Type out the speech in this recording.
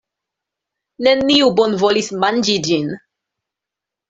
Neniu bonvolis manĝi ĝin.